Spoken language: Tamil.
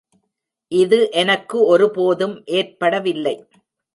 இது எனக்கு ஒருபோதும் ஏற்படவில்லை.